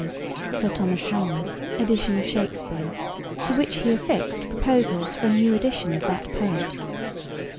's (Sir Thomas Hammer's) Edition of Shakspeare_.[*] To which he affixed, proposals for a new edition of that poet.